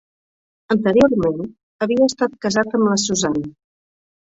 Anteriorment, havia estat casat amb la Suzanne.